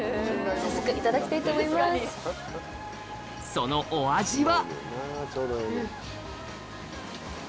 そのお味は？